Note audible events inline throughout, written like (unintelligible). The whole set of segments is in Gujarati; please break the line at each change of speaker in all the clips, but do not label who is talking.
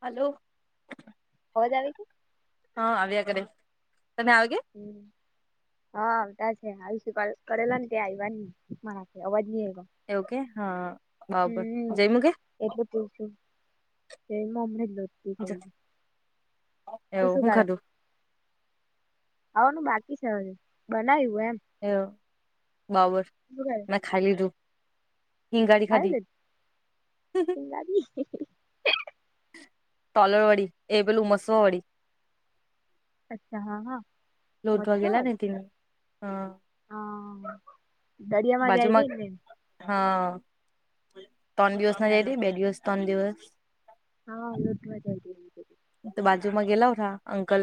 હલો,
અવાજ આવી છે,
હા આવ્યા કરે, તને આવગે,
હમ, હા આવતા છે હાલ શું કરેલા ને ત્યાં આવવા ની મારા અવાજ નઈ આવો.
એવુ કે હા બાબર જયમુ કેે,
એટલે તસું મને, (unintelligible)
હ,
તું શું કાઢે, આવોનું બાકી છેજ બનાવ્યું એમ,
એવું બાબર
શું કરે
મેં ખાઇ લીધું. હિંગાડી
ખાઇ
ખાધી
લીધું, (unintelligible)
તલર વાડી એ પેલુ ઉમસવા વડી,
અચ્છા હા હા,
લોટ વાગેલા
મચ્છર
હી તેવા, હા,
હા દરિયા માં જાય છે
બાજુમાં
નેને,
હા ત્રણ દિવસ ના
બરાબર
જઈતી બે દિવસ ત્રણ દિવસ,
હા અમને તો મજા આઇ ગઇ,
તો બાજુમાં ગેલાવ થા અંકલ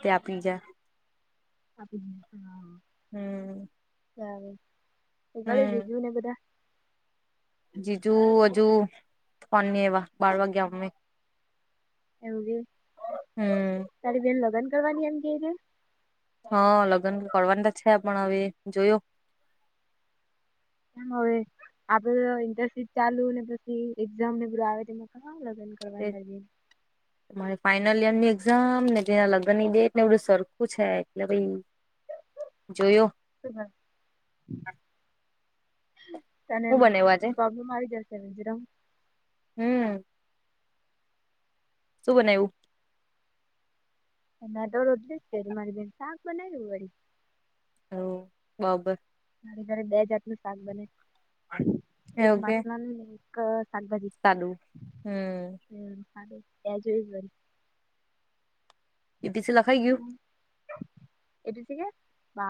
ત્યા આપીજા,
આપ હા
હમ
ચારગાળ
હમ
જીજું ને બધા,
જીજુ હજુ ફોન નહીં આવા બાર વાગ્યા મે, હમ,
તારે બેન લગન કરવાવાની એમ ગેઈ,
હા લગ્ન કરવાન છે પણ હવે જોયો,
હવે આપડે ઇન્ટરશિપ ચાલુ ને પછી એઝામ ને બધું આવે તેમાં ખા લગ્ન ક લગન કરીએ,
(inaudible) મારી ફાઈનલ યરની એક્ઝામ ને તેના લગ્ન ની ડેટ ને એવું સરખું છે એટલે પઈ, જોયું,
તને
હું
એમ
બનાવ્યું આજે
પ્રોબ્લેમ આવી જશે, સેવ જરોમ,
હમ, સુ બનાવેવું.
એ દોર ઓદલેશે મળરી બે સાક બનાએવુ હોય.
હ બાબર,
તેની ઘરે બે જાત નું શાક બને એક માસલાને એક શાકભાજી,
સાદુ હમ,
હમાર ત્યાજય બરી,
ઇ દિસે લખાઈ ગયું.
એટ છે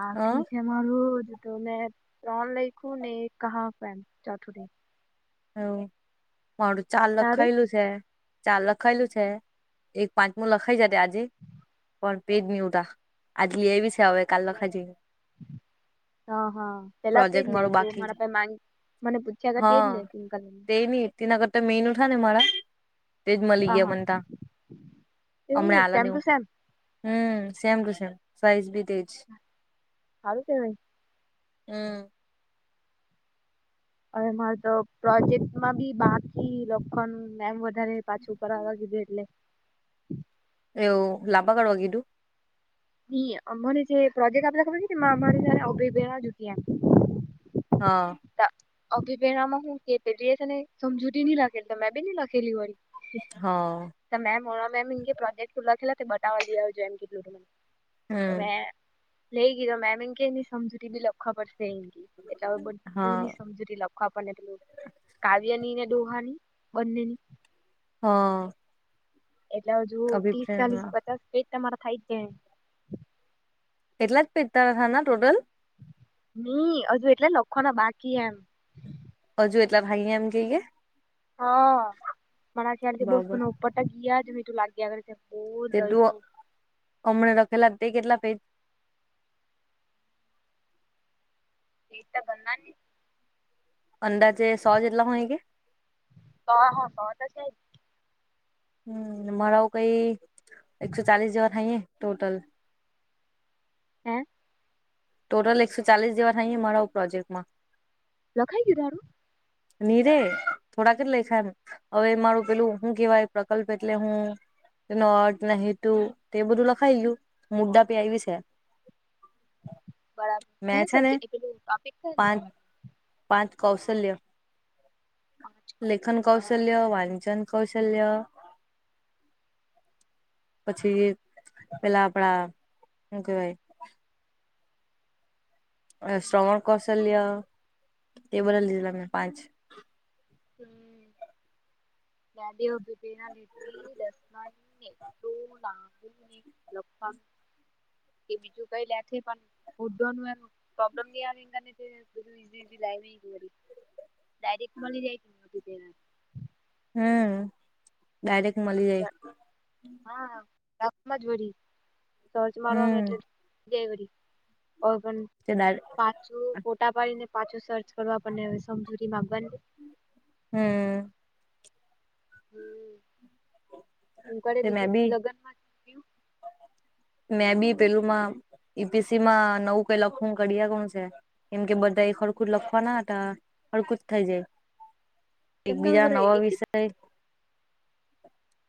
ગયું
મારું તો મેં ત્રણ લખું ને એક હાફ એમ ચોથુ,
હ મારું ચાલ
તારું
લખાયલું છે. ચાર લખાયલું છે, એક પાંચમું લખાઈ જશે આજે, પણ પેજ ની ઉડા, આજલી એવી છે હવે કાલ લખાજી.
હા હા પેલા તેજ ને તું મારા ગ મને પૂછ્યા કર તેજ
હા
નેકલ.
તે ન તેના કરતા મેન ઉઠા ને મારા તેજ મળી
હા હા
ગયા મનતા,
એવું
હમણાં હલા
સેમ ટુ
દેવું.
સેમ
હમ સેમ ટુ સેમ, સઇઝ બી થ છે.
સારું કેવાય.
હમ.
હવે મારે તો પ્રોજેક્ટમાં બી બાકી લખણ એમ વધારે પાછું ઉપર આવવા કીધું એટલે.
એવ લાભ કારવા કીધુ?
ન અમને પ્રજે આપલામા અભ જુ એમ.
હા.
અભિપેમાં હું કે પેલી ને સમજૂતી ન લખેલ મેં બી ન લખેલી વાળી.
હા.
તો મેમ મેમ પ્રોજે્ટખે બટા આવ જેમ. તો
હમ
મે લઈ ગય તો મેમ એ કે એની સમજૂરી બી લખવા પડશે એ, એટલે હવે બ
હા.
સમૂ લખવાને પટલું કાવ્યની ને ડોહાની બંને ની.
હા.
એટલે હજુ ત્રીસ
અભિપ્રાય
ચાલીસ પચાસ કજ તમારા થાય જ છે.
એટલા જ પેતા હતા ટોટલ?
નહી હજુ એટલે લખો ના બાકી એમ.
હજુ એટલા ભાઈ એમ કઈએ.
હા. મારા છે્યારેથી બસ્તુ
બરાબર
નને ઉપરટ ગયા ત તું લાગ્યા કરરે બહલ દઈશું
હમણા રખેલા તે કેટલા પેજ?
એી તો બંધ ને (unintelligible)
અંદાજે સો જેટલા હોય કે?
હા હા હ છે.
હમ મળ કઈ એકસો ચાલીસ જેવા થાયએ ટોટલ.
હં?
ટોટલ એકસો ચાલીસ જેવા થાય મા પ્રોજેક્ટમાં.
રખાઈ ગી તારું?
નીરે થોડાક જ લેખાય એમ હવે મારું પેલું હું કેવાય પ્રકલ્પ એટલે હું ન નાું તે બધું લખાઈલું, મુદદા પેઆયી છે. (inaudible)
બરાબર ક
મેં છે ને
સબ્જેેલું ટોપિક કઈ
પાંચ
લીધે?
પાંચ કૌશલ્ય.
પાંચ
લેખન કૌશલ્ય વાંચન કૌશલ્ય. પછી પેલા આપડા શ કેવાય. શ્રવણ કૌશલ્ય, તે બધ લીધેલા મેં પાંચ.
હમ. ડડઓ બિબના નેટની દસમાની. (unintelligible) તોું લુને લખ કે બીજું કઈ લેથે પણ (unintelligible) (unintelligible) ડાયરેક્ટ મળી જાયતી તે.
હમ ડાયરેક્ટ મળી
પેલા
જાય.
હા રામાં જ સર્ચ મારવાનું
હમ
એટલે. જયવરી ઓ પણ.
તેના.
પાછું ફોટા પાડીને પાછું સર્ચ કરવા પણ હ સમજૂરીમાં બને
હમ.
હમ કે
તે મે
બીજું
બી
લગ્ન માં.
મેં બી પેલુંમાં પીએસસી માં નવું કઈ લખવું કરિયા કોણ છે. એમ કે બધા એ ખડકું જ લખવાના હતા ખડકું જ થઇ જાય. એક
કેમ તમે
બીજા
બધા
નવા
એક જ
વિષય.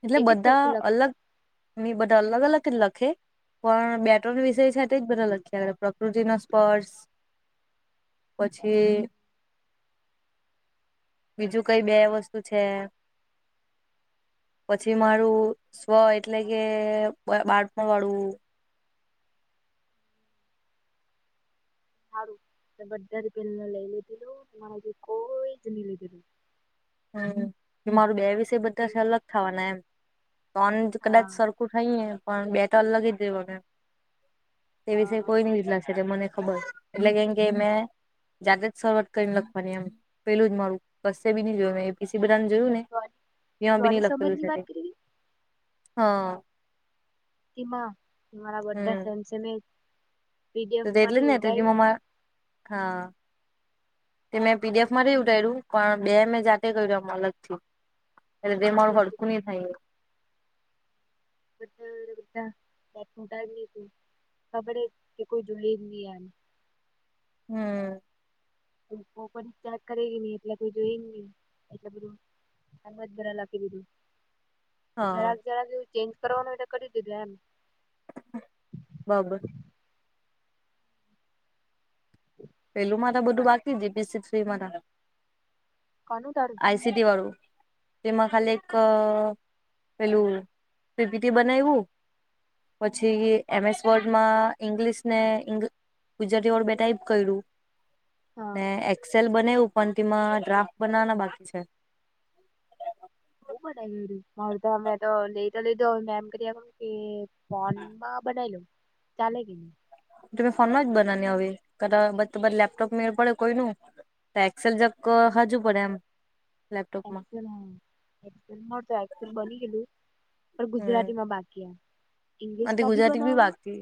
એટલે
એક જ
બધા
સરખું લખે
અલગ
બધા
મી બધા અલગ અલગ જ લખે પણ બેટ્રની વિષય સાથે બધા લખે પ્રકૃતિ ન સ્પર્શ પછી. બીજું કઈ બે વસ્તુ છે. પછી મારું સ્વ એટલે કે બાળપણ વાળું.
સારું બધા જ પેને લઈ લીધેલુંરે જે કોઈ જ નહી લઈધીલું.
હમ મારું બે વિષ બધા છે અલગ થવાના એમ. તોન કદાચ
હા
સરખું થઈને પણ બે તો અલ લગી જુંને. તે
હા
વિશે
હા
કોઈ
હા
નઈ વિલાાગશે મને ખબર એટલે કેમ કે મેં. જાતે જ શરૂઆત કરીને લખવાની એમ પેલું જ મારું બસે બી ન જોય મે પીસી બધાને જોયું ને. ત બી નહી
સોની સમજ
લખેલું
ની
છે તે
વાત કરી
હા
મારા બા ફ્રેન્ છે મે (unintelligible)
દ એટલે ને તો મ હા. તે મેં પીડીએફ માં રહી ઉઠારી્યું પણ બે મેં જાતે કર્યુંમ અલગથી. એ રેમળ ઘડક
લખી
ન થાય.
બ બધાું કબડે કે કોઈ જોઈ એમ.
હમ.
તો કોઈ ચારક કરે ગ નહી એટલે કોઈ જોઈ નહી એટલે બધું આ જ ભરા લખી દીધું જરાક
હા
જરાક એવું ચેન્જ કરવાનું હોય તો કરી દીધું એમ.
બાબર. પેલું માં તો બધું
એમ
બાકી જીસી થ્રીમાં.
કનું તારું.
આઈસીટી વાળુ. તેમાં ખાલી એક પેલું ટીપીટી બનાવવું. પછી એમએસ વર્ડમાં ઇંગ્લિશ ને ઇ ગુજરાતીબે ટાઈપ કર્યું.
હા
ને એક્સેલ બનાયુ પણ તેમાં ડ્રાફ્ટ બનાવાના બાકી છે.
બ બનાવી ગયું મારું તો અમે તો લઈ તો લીધ મે એમ કરી કે ફનમાં બનાવી લો ચાલે કે નહી.
તમે ફોનમાં જ બનાવો હવેલેપટોપ નોમેળ પડે કોઈ નુ. તો એક્સલ જ હજુ પડે એમ. લેપટોપમાં.
હલ મળતો એસેલ બની ગયેલુ. પણ ગુજરાતી માં બાકી આવે.
આ ગુજરાતી બી બાકી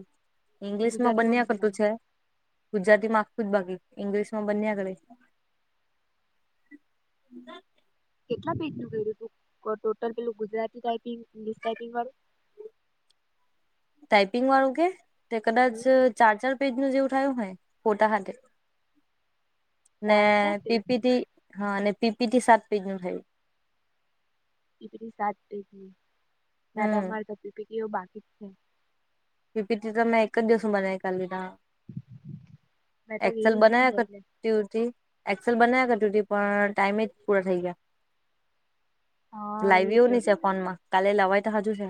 કે
ઇંગ્લિશ માં
ગુજરાતીમાં
બનને
બી
કરતું
બનાવાનું
છે. ગુજરાતી માં આખું જ બાકી ઇંગ્લિશ માં બંને ગળે.
કેટલા પેજ નું કર્યું હતું ટોટલ પેલું ગુજરાતી ટાઈપિંગ ઇંગ્લિશ ટાાઈપિંગ વાળું?
ટાઈપિંગ વાળું કે? તે કદાચ ચાર ચાર પેજ નું જેવું થયું હોય ફોટા હાથે. ને
ચાર ચાર
પી પી
પેજની
થી હ ને પી પી થી સાત પેજ નું થાયુ.
પી પી ટી સાત પેજની ના તો
હમ
અમારે તો પી પી ટી એ બાકી જ છે.
પી પી ટી તો મેં એક જ દિવસમા બનાવી કાઢેલીતા
મેં તો
એક્ચલ
ગઈ જ ની ને
બનાયા કર
એટલે
ટથી એક્સેલ બનાવ્યા કર પણ ટાઈમે જ પૂરા થઈ ગ્યા..
હા
લાવયુ
એજ
ની છે ફોનમાં, કાલે લવાય તો હજુ છે.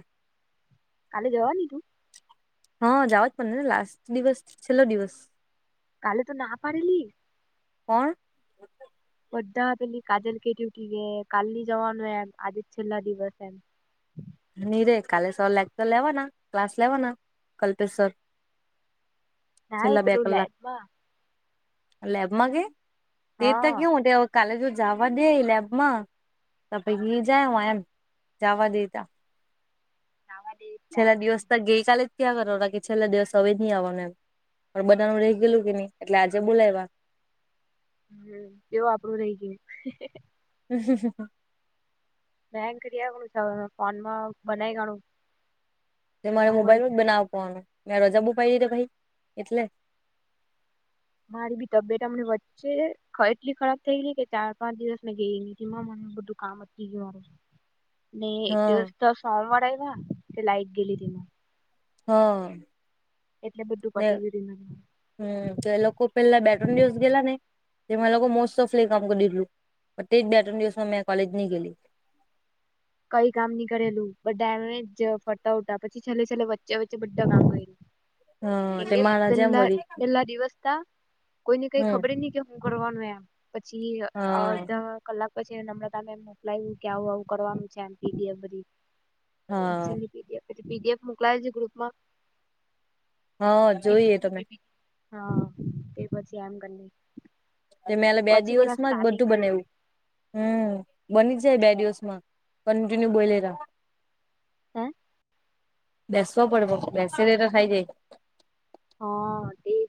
કાલે જવાની તું?
હા જવા જ પડે ને લાસ્ટ દિવસ, છેલ્લો દિવસ.
કાલે તો ના પડેલી.
કોણ?
બધા પેલી કાજલ કે ઉઠટી ગ કાલની જવાનું એમ આજે જ છેલ્લા દિવસ એમ.
ની રે કાલે સર લેકચર લેવાના ક્લાસ લેવાના કલ્પેશ સર.
ના એ
છેલ્લા બે
પેલું
કલાક,
લેબમાં
લેબમાં કે તેતતા
હા
કેવ ટે કાલેજ જો જવા દે લેબમાં તો પછી જાય હું એમ જવા દે તો.
જાવા દે.
છેલ્લા દિવસ ત ગઈકાલે જ ત્યાં કરવાના કે છેલ્લા દિવસ હવે જ નહીં આવવાના એમ. પણ બધાનું રહી ગયલું કે નહી એટલે આજે બોલાઇવા.
હમ્મ તેમાં આપણું રહી ગ્યું.
હમ્મ હમ્મ.
બેંક કરીણું છે ફોન માં બનાય કાણું.
તે મારે મોબાઈલનું જ બનાવ આપાનો, મેં રજા બુ પાઈ દીધતે ભાઈ એટલે.
મારી બી તબિયતમ હમડે વ છે એટલી ખરાબ થઈ ગઈ કે ચાર પાંચ દિવસ મેં ગઈ નથી માં મ બધું કામ અટકી ગ્યું મારું. ને
હ
એક દિવસ તો સોમવારે આઇવા તે લાઇક ગેલી તેમાં.
હા.
એટલે બધું પટી ગ્યું ધીમે ધીમે
હમ્મ તો લોકો પેલા બે ટ્રોન દિવસ ગયલા ને તેમાં એ લોકો મોસ્ટ ઓફલી કામ કરી દીધેલુ પણ તે જ બે ત્રણ દિવસમાં મે કોલેજ ની ગેલી.
કઈ કામ ની કરેલું બડામે જ ફરટ ઉટા પછી છેલ્લે છેલ્લે વચ્ચે વચ્ચે બધા કામ કૈરો.
હ
કેકેમ
તે
કે
મારા જેમ
પેલા
વળી
પેલા દિવસ તા કોઈને કઈ
હમ
ખબર નહી કે હું કરવાનું એમ પછી અ
હા
ધ કલાક પછી હ નમ્રતા મેમ મોકલાયું કે આવું આવું કરવાનું છે એમ પી ડી એફ બધી. એક્સેલ
હા
ની પી ડી એફ એટલે પી ડી એફ મોકલાયુ છે ગ્રુપમાં
હા
પી પી
જોઈએ
ટી
તમે
ની હા તે પછી એમ કરી નહી.
તે મે અ બે દિવસમાં જ બધું બનાઇવું. હમ્મ બની જ જાય બે દિવસ માં કન્ટિન્યુ બોલેર.
હે?
બેસવા પડે વ બેસી રે તો ખાઈ જાય.
હા તેજ,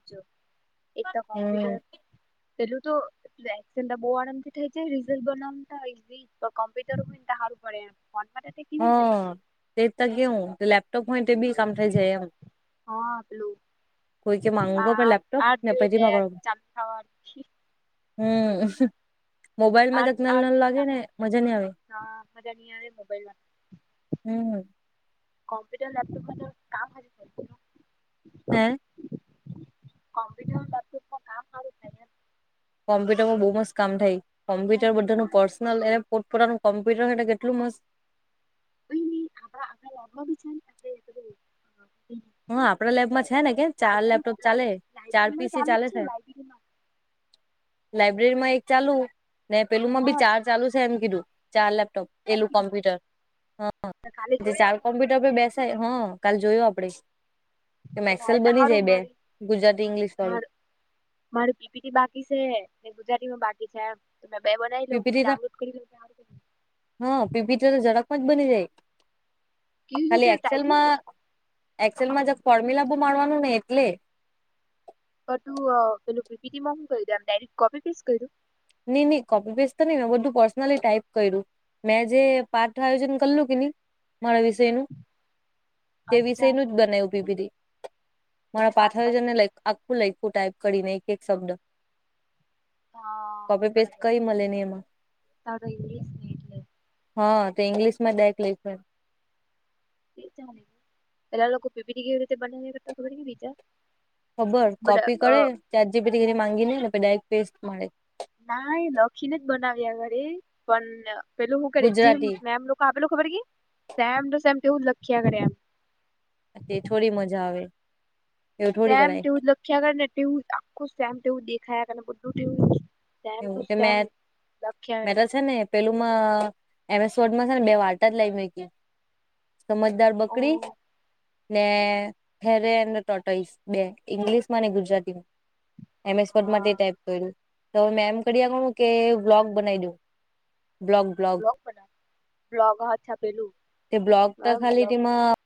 એક તો
હમ
કોમ્પ્યુટર પેલું તો (unintelligible) તો બહ (unintelligible) થાય જાય રઝલ બના (unintelligible) (inaudible) કમપ્યુટર (unintelligible) પડે એમ (unintelligible)
હ તે જ કેવ કે લેપ તો કોઈ તે બી કામ થઈ જાય એમ
હા પેલું
કોઈ કે માંગું
આ
લેપટપ
આઠ જોઈએ બે
નપેતીમાં
ચાલુ થવાનું
હમ મોબાઈલમાં
આઠ
જરાક નાનલુ
આઠ
નાનલુ
જોઈએ
લાગે
કામ
ને મજા ની આવે
હા મજા ની આવે મોબાઈલમા
હમ
કમ્પ્યુટર લેપટપમાં કામ ત કામ
હે
(inaudible) કોમ્પ્યટરનું લે
કોમ્પ્યુટરમાં બો મસ્ત કામ થાય કોમ્પ્યુટર બધા નું પર્સનલ એ પોત પોતાનું કમ્પ્યુટર રેય ને તો કેટલું મસ્ત
હા (inaudible) હ
હા આપડા લેબમાં છે ને કે ચાર લેપટોપ ચાલે ચાર
લાયબ્રેરીમાં
પીસી
ચાલુ
ચાલે
જ
છે
લાયબ્રેરીમાં
લાઈબ્રેરી માં એક ચાલુ ને પેલું માં બી
હા
ચાર ચાલુ છે એમ કીધું ચાર લેપટોપ
એમ
પેલું
કીધું
કોમ્પ્યુટર હા
તો કાલે
જે
જોઈ
ચાલ
આવું આપણે
કોમ્પ્યુટર પર બેસે હ કાલ જોયુ આપડે કે
તો
મેક્સેલ
રાયતા
બની
હારું
જાય બે
મારી
ગુજરાતી ઇંગ્લિશ
માર
વાળું
મારું પી પી ટી બાકી છે ને ગુજરાતી માં બાકી છે એમ તો મેં બે બનાવી લઉ
પીપીટી ના
ડાઉનલોડ કરી લઉ (inaudible)
હા પી પી ટી તો જરાકમાં જ બની જાય
કેવી રીતે
ખાલી
ટાઈપિંગ
એક્સેલમાં એક્ષેલ મા જરાક ફોરમુલા બો મારવાનું ને એટલે
ત તુંપેલું પી પી ટી મા હું કયરુ આમ ડાઇરેક્ટ કોપી પેસ્ટ કયરુ
ની ની કોપી પેસ્ટ તો ની મેં બધું પર્સનલી ટાઈપ કર્યું મેં જે પાઠ આયોજન કરલું કે ની મારા વિષય નું તે વિષય
અચ્છા
નું જ
હા
બનાયવું પીપીટી
એટલે
મારાં
પાસ
પાઠ
પાસ
(unintelligible) આખું લયખું ટાઈપ કરીને એક એક શબ્દ
હા
કોપી પેસ્ટ
બરાબર
કઈ મળે ની એમાં
તારો ઇંગ્લિશ ને એટલે
હા તે ઇંગ્લિશમાં ડાઇરેક્ટ લયખું એમ
પેલા લોકો પીપીટી કેવી રીતે બનાવ્યા કરતા ખબર કે બીજા
ખબર
બટ
કોપી
અ
કરે ચેટ જી પી ટી કરી માંગીને ડાયરેક્ટ પેસ્ટ મળે
નાય લખીને જ બનાવ્યા ઘરે પણ પેલું શું કરે જેમ
ગુજરાતી
મેમ લો આપેલો ખબર કે સેમ ટુ સેમ તેવું લખ્યા કરે એમ
તે થોડી મજા આવે એવું થોડી
તેસેમ
કરાય
તેવું લખ્યા કરે ને તેવું આખું તેવું દેખાયા કરે ને બધું તેવું સેમ ટુ
એવું તે મે
સેમ લખ્યા કરે
મેત છે ને પેલુંમા એમેસોડમાં છે ને બે વાર્તા જ લઈ મૂયકી સમજદાર
ઓ
બકરી નેે ફેરેન ટોટોઈશ બે ઇંગ્લિશ માં ને ગુજરાતીમાં એમ એસ વડ મા તે
હા
ટાઈપ કયરુ તો મે કર્યા કરૂ કે બ્લોગ બનાવી દઉ બ્લોગ બ્લોગ
બ્લોગ બના બ્લોગ હાથા પેલું
તે બ્લોગ તો ખાલી તેમાં